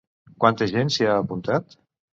Quanta gent s'hi ha apuntat?